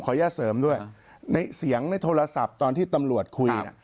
อย่าเสริมด้วยในเสียงในโทรศัพท์ตอนที่ตำรวจคุยเนี่ย